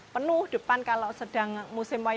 penuh depan kalau sedang musim wayang